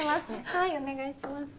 はいお願いします。